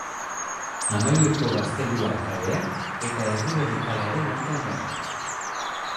Amaiurko Gaztelua kalea eta Erriberri kalearen artean dago.